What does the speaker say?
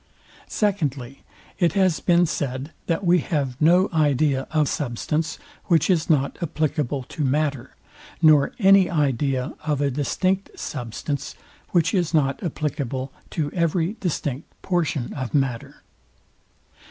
Secondly, It has been said, that we have no idea of substance, which is not applicable to matter; nor any idea of a distinct substance, which is not applicable to every distinct portion of matter.